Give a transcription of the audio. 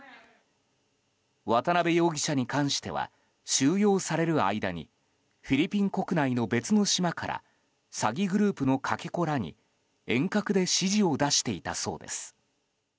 渡邉容疑者に関しては収容される間にフィリピン国内の別の島から詐欺グループのかけ子らに遠隔で指示を出していたそうです。